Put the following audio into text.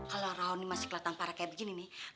kalau raun masih kelihatan parah kayak gini nih